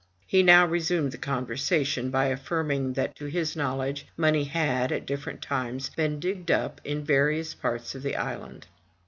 He now resumed the conversation, by affirming that, to his knowledge, money had, at different times, been digged up in various parts of the island.